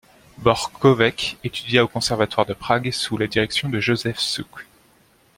Bořkovec étudia au Conservatoire de Prague sous la direction de Josef Suk.